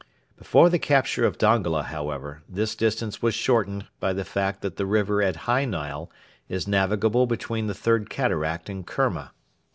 Before the capture of Dongola, however, this distance was shortened by the fact that the river at high Nile is navigable between the Third Cataract and Kerma.